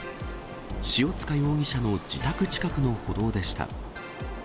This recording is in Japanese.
塩塚容疑者の自宅近くの歩道でした。